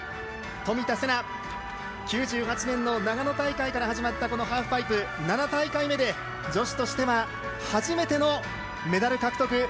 冨田せな９８年の長野大会から始まったこのハーフパイプ、７大会目で女子としては初めてのメダル獲得。